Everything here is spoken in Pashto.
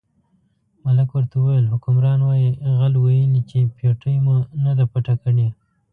ملک ورته وویل حکمران وایي غل ویلي چې پېټۍ مو نه ده پټه کړې.